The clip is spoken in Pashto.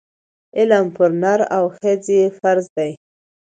علم پر نر او ښځي فرض دی